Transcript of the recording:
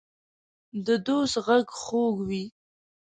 د دوست غږ خوږ وي.